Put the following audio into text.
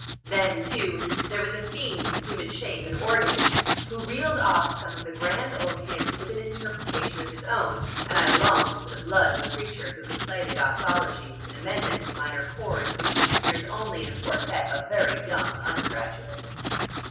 Then, too, there was a fiend in human shape, an organist, who reeled off some of the grand old hymns with an interpretation of his own, and I longed for the blood of a creature who could play the doxology with an amendment of minor chords which one hears only in a quartet of very young undergraduates.